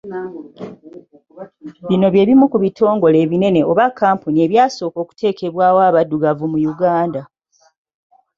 Bino bye bimu ku bitongole ebinene oba kkampuni ebyasooka okuteekebwawo abaddugavu mu Uganda